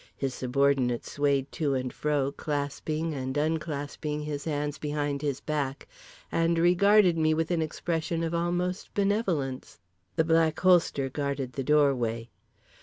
His subordinate swayed to and fro, clasping and unclasping his hands behind his back, and regarded me with an expression of almost benevolence. The Black Holster guarded the doorway.